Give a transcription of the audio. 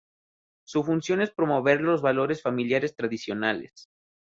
Su función es promover los valores familiares tradicionales.